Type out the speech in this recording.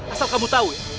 asal kamu tau ya